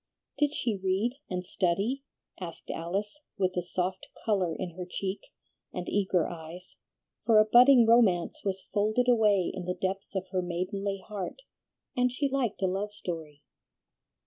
"Did she read and study?" asked Alice, with a soft color in her cheek, and eager eyes, for a budding romance was folded away in the depths of her maidenly heart, and she liked a love story.